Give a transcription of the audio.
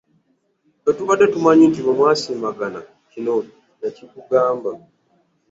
Ffe twali tukimanyi nti bwe mwasiimagana kino yakikugamba